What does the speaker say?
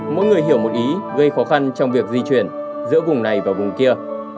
mỗi người hiểu một ý gây khó khăn trong việc di chuyển giữa vùng này và vùng kia